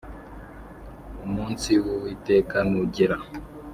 Umunsi w’Uwiteka nugera